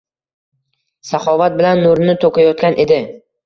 Saxovat bilan nurini toʻkayotgan edi